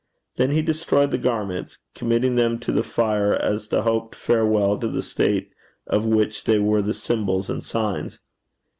Then he destroyed the garments, committing them to the fire as the hoped farewell to the state of which they were the symbols and signs.